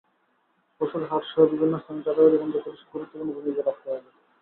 পশুর হাটসহ বিভিন্ন স্থানে চাঁদাবাজি বন্ধে পুলিশকে গুরুত্বপূর্ণ ভূমিকা রাখতে হবে।